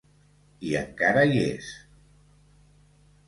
I encara hi és...